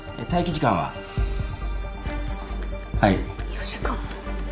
４時間も？